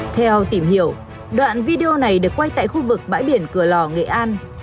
theo tìm hiểu đoạn video này được quay tại khu vực bãi biển cửa lò nghệ an